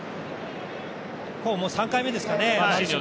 もう３回目ですかね。